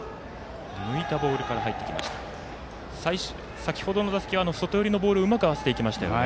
先ほどの打席は外寄りのボールをうまく合わせていきましたよね。